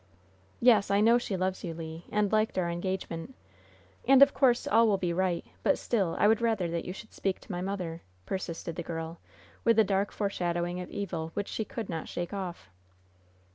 "Yes, I know she loves you, Le, and liked our engagement. And, of course, all will be right! But, still, I would rather that you should speak to my mother," persisted the girl, with a dark foreshadowing of evil which she could not shake off.